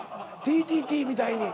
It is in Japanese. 「ＴＴＴ」みたいに。